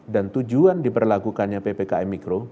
dan tujuan diperlakukannya ppkm mikro